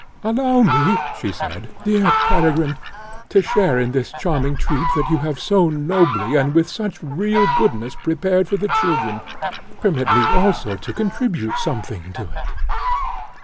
"Allow me," she said, "dear Peregrine, to share in this charming treat that you have so nobly, and with such real goodness, prepared for the children. Permit me, also, to contribute something to it!"